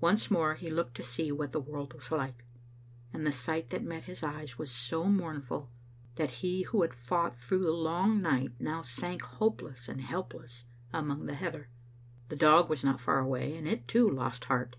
Once more he looked to see what the world was like; and the sight that met his eyes was so mournful that he who had fought through the long night now sank hopeless and helpless among the heather. The dog was not far away, and it, too, lost heart.